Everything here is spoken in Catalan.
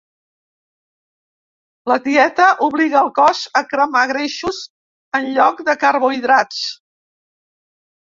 La dieta obliga el cos a cremar greixos en lloc de carbohidrats.